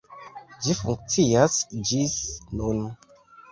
Ĝi funkcias ĝis nun.